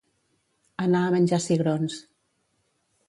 Anar a menjar cigrons.